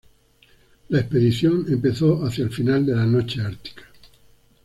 La expedición empezó hacia el final de la noche ártica.